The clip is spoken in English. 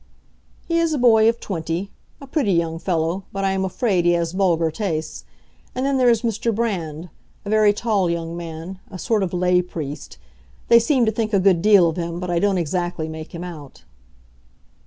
"He is a boy of twenty; a pretty young fellow, but I am afraid he has vulgar tastes. And then there is Mr. Brand—a very tall young man, a sort of lay priest. They seem to think a good deal of him, but I don't exactly make him out."